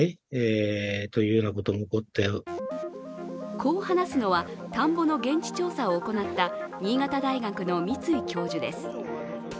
こう話すのは、田んぼの現地調査を行った新潟大学の三ツ井教授です。